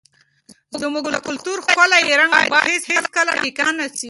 زموږ د کلتور ښکلی رنګ باید هېڅکله پیکه نه سي.